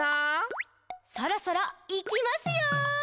「そろそろ、いきますよ！」